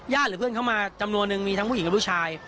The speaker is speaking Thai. หรือเพื่อนเขามาจำนวนนึงมีทั้งผู้หญิงกับผู้ชาย